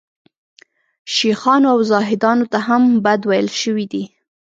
شیخانو او زاهدانو ته هم بد ویل شوي دي.